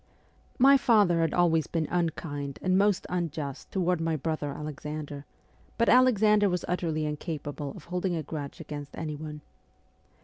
My father had always been unkind and most unjust toward my brother Alexander, but Alexander was utterly incapable of holding a grudge against anyone.